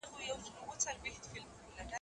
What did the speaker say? ميږي ته چي خداى په قهر سي، وزرونه ورکي.